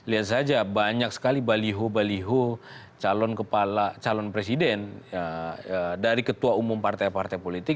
lihat saja banyak sekali baliho baliho calon kepala calon presiden dari ketua umum partai partai politik